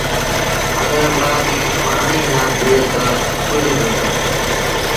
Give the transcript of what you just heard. اَگر ٻآ ڏيٚݩهݩ پآڻيٚ نا پيٚئي تا ڪجھ با ڪونهي۔